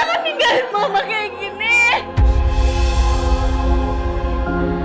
keisha bangun sang